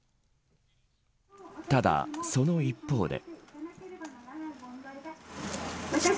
ただ、その一方で。